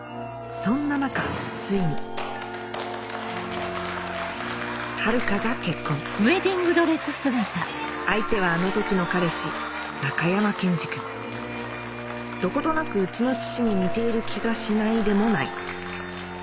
そんな中ついに遥が結婚相手はあの時の彼氏中山賢治君どことなくうちの父に似ている気がしないでもない